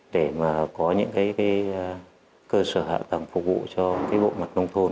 để mà có những cơ sở hạ tầng phục vụ cho bộ mặt nông thôn